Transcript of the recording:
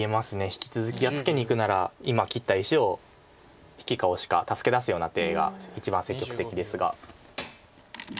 引き続きやっつけにいくなら今切った石を引きかオシか助け出すような手が一番積極的ですが。